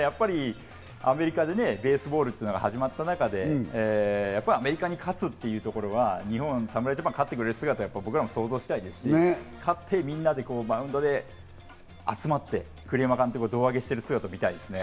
アメリカでベースボールが始まった中で、アメリカに勝つというところは侍ジャパンが勝ってくれる姿を僕らも想像したいですし、勝って、みんなでマウンドで集まって、栗山監督を胴上げしてる姿を見たいですね。